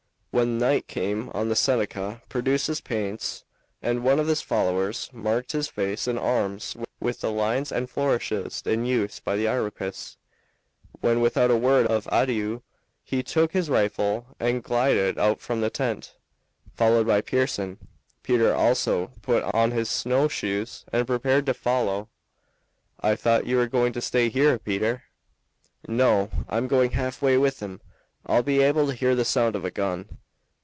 When night came on the Seneca produced his paints, and one of his followers marked his face and arms with the lines and flourishes in use by the Iroquois; then without a word of adieu he took his rifle and glided out from the tent, followed by Pearson. Peter also put on his snow shoes and prepared to follow. "I thought you were going to stay here, Peter." "No, I'm going halfway with 'em. I'll be able to hear the sound of a gun.